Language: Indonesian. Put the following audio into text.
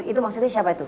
itu maksudnya siapa itu